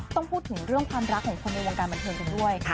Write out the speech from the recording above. ต้องพูดถึงเรื่องความรักของคนในวงการบันเทิงกันด้วย